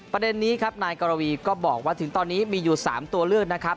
ประเด็นนี้ครับนายกรวีก็บอกว่าถึงตอนนี้มีอยู่๓ตัวเลือกนะครับ